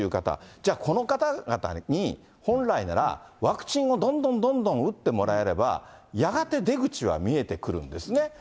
じゃあ、この方々に本来なら、ワクチンをどんどんどんどん打ってもらえれば、やがて出口は見えてくるんですね。